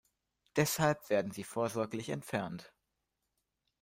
Deshalb werden sie vorsorglich entfernt.